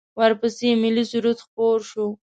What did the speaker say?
ورپسې ملی سرود خپور شو.